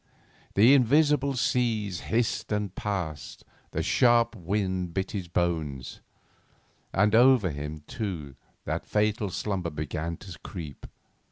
The invisible seas hissed past; the sharp wind bit his bones, and over him, too, that fatal slumber began to creep.